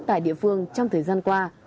tại địa phương trong thời gian qua